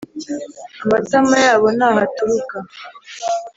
Amatama yabo ni aho aturuka